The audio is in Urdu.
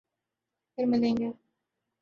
پھر ملیں گے